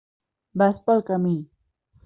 Vas pel camí.